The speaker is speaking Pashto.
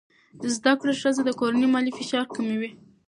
زده کړه ښځه د کورنۍ مالي فشار کموي.